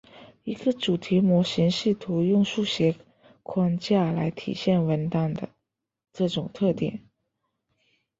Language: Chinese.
一个主题模型试图用数学框架来体现文档的这种特点。